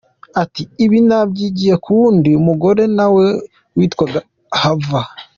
Ati: “Ibi nabyigiye ku wundi mugore na we witwaga Hava.